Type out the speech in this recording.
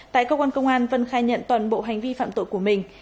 tại cơ quan công an vân khai nhận toàn bộ hành vi phạm tội của mình